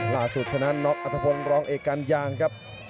ล่าสุดชนะน็อคอัธพลรองเอกกันยางครับ